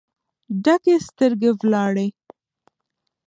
ډکې سترګې ولاړې